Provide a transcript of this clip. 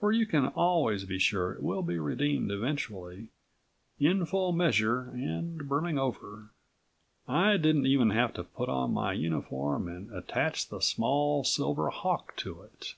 For you can always be sure it will be redeemed eventually, in full measure and brimming over. I didn't even have to put on my uniform and attach the small silver hawk to it.